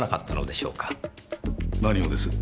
何をです？